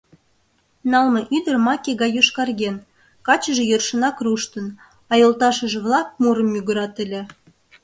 Налме ӱдыр маке гай йошкарген, качыже йӧршынак руштын, а йолташыже-влак мурым мӱгырат ыле.